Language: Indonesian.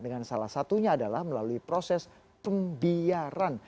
dengan salah satunya adalah melalui proses pembiaran